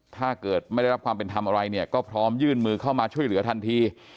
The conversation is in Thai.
ถ้าเกิดไม่ได้รับความเป็นธรรมอะไรเนี่ยก็พร้อมยื่นมือเข้ามาช่วยเหลือทันที